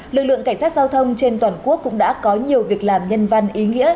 lực lượng cảnh sát giao thông trên toàn quốc cũng đã có nhiều việc làm nhân văn ý nghĩa